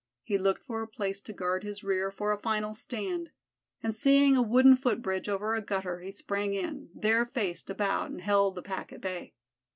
He looked for a place to guard his rear for a final stand, and seeing a wooden foot bridge over a gutter he sprang in, there faced about and held the pack at bay.